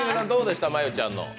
どうでした、真悠ちゃんの。